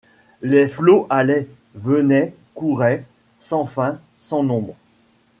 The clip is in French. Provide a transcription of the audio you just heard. Les flots allaient, venaient, couraient ; sans fin, -sans nombre